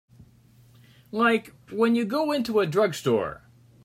Like when you go into a drugstore.